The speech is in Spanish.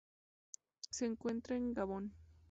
Se encuentra en Gabón.